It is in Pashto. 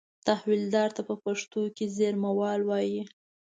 تحویلدار ته په پښتو کې زېرمهوال وایي.